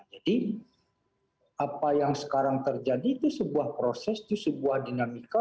jadi apa yang sekarang terjadi itu sebuah proses itu sebuah dinamika